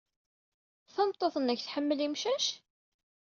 Tameṭṭut-nnek tḥemmel imcac?